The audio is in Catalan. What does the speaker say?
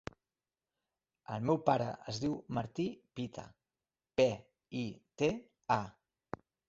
El meu pare es diu Martí Pita: pe, i, te, a.